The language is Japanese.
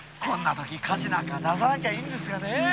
こんなとき火事なんかださなきゃいいんですがね。